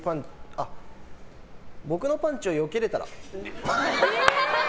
僕のパンチをよけれたら。